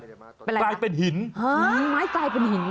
เป็นอะไรนะไม้กลายเป็นหินฮือไม้กลายเป็นหิน